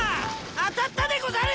当たったでござる！